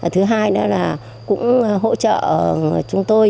thứ hai là cũng hỗ trợ chúng tôi